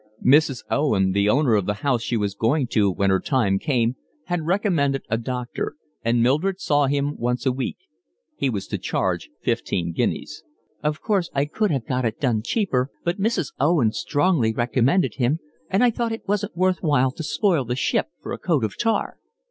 Mrs. Owen, the owner of the house she was going to when her time came, had recommended a doctor, and Mildred saw him once a week. He was to charge fifteen guineas. "Of course I could have got it done cheaper, but Mrs. Owen strongly recommended him, and I thought it wasn't worth while to spoil the ship for a coat of tar."